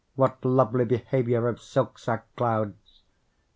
what lovely behaviour Of silk sack clouds!